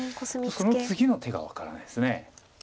その次の手が分からないです。